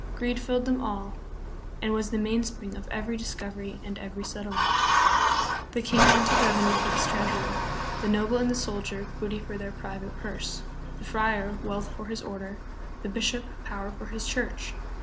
Greed filled them all, and was the mainspring of every discovery and every settlement. The king wanted revenue for his treasury; the noble and the soldier, booty for their private purse; the friar, wealth for his order; the bishop, power for his church.